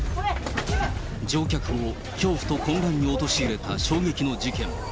乗客を恐怖と混乱に陥れた衝撃の事件。